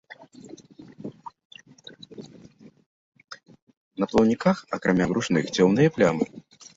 На плаўніках, акрамя брушных, цёмныя плямы.